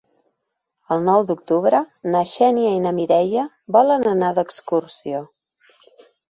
El nou d'octubre na Xènia i na Mireia volen anar d'excursió.